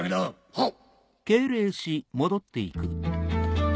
はっ！